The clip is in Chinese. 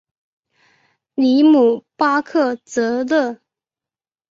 里姆巴克泽勒。